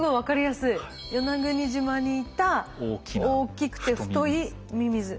与那国島にいた大きくて太いミミズ。